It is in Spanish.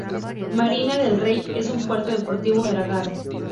Marina Del Rey es un puerto deportivo dragado.